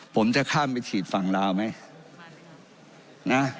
ผมจะข้ามไปฉีดฝั่งลาวไหมนะ